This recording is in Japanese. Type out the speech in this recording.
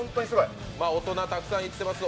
大人たくさん行ってます